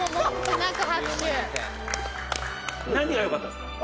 「何が良かったんですか？」